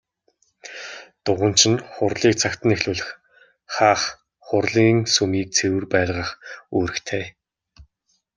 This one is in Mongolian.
Дуганч нь хурлыг цагт нь эхлүүлэх, хаах, хурлын сүмийг цэвэр байлгах үүрэгтэй.